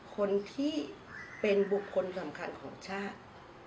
คนที่เป็นบุคคลสำคัญของชาติ